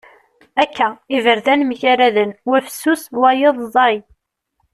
Akka! Iberdan mgaraden. Wa fessus wayeḍ ẓẓay.